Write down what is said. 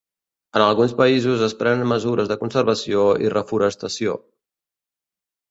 En alguns països es prenen mesures de conservació i reforestació.